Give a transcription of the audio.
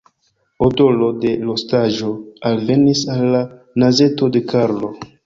Odoro de rostaĵo alvenis al la nazeto de Karlo.